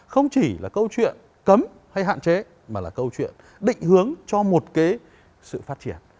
không chỉ là câu chuyện cấm hay hạn chế mà là câu chuyện định hướng cho một cái sự phát triển